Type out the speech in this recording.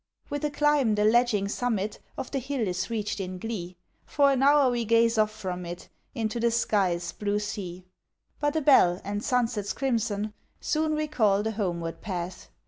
With a climb the ledging summit Of the hill is reached in glee. For an hour we gaze off from it Into the sky's blue sea. But a bell and sunset's crimson Soon recall the homeward path.